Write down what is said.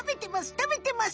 たべてます。